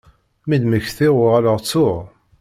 Mi d-mmektiɣ uɣaleɣ ttuɣ.